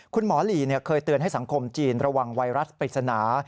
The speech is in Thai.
คุณหมอหลีเคยเตือนให้สังคมจีนระวังไวรัสปริศนา